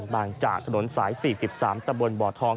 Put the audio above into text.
จากถนนสาย๔๓ตะบนบ่อทอง